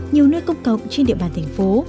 nhiều nơi cổng cổng trên địa bàn thành phố